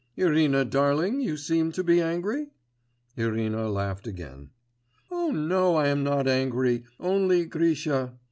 'Irina, darling, you seem to be angry?' Irina laughed again. 'Oh, no! I am not angry. Only, Grisha....